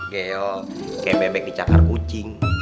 kayak bebek dicakar kucing